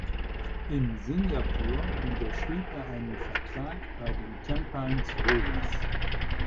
In Singapur unterschrieb er einen Vertrag bei den Tampines Rovers.